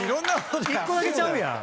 １個だけちゃうやん。